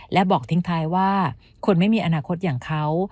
และบอกทิ้งท้ายว่าคนไม่มีอนาคตอย่างเขา